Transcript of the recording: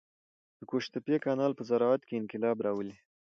د قوشتېپې کانال په زراعت کې انقلاب راولي.